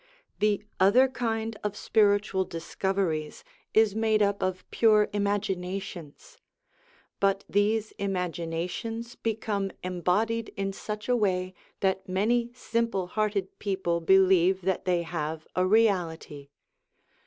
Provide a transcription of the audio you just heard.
The other kind of spiritual discoveries is made up of pure imaginations ; but these imaginations become embodied in such a way that many simple hearted people believe that they have a reality.